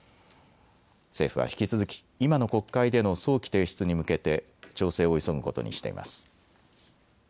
政府は引き続き今の国会での早期提出に向けて調整を急ぐことにしています。